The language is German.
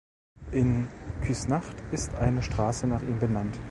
In Küsnacht ist eine Strasse nach ihm benannt.